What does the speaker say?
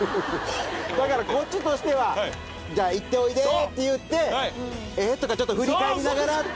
だからこっちとしてはじゃあ行っておいでっていうてえっ？とかちょっと振り返りながら。